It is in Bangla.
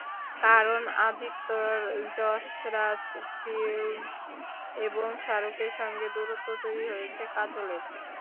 কারণ আদিত্যর যশরাজ ফিল্মস এবং শাহরুখের সঙ্গে দূরত্ব তৈরি হয়েছে কাজলের।